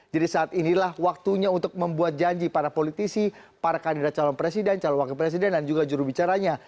jadi saat inilah waktunya untuk membuat janji para politisi para kandidat calon presiden calon wakil presiden dan juga jurubicaranya